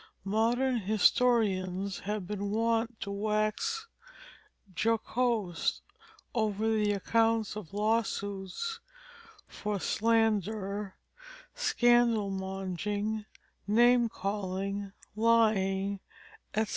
Modern historians have been wont to wax jocose over the accounts of law suits for slander, scandal monging, name calling, lying, etc.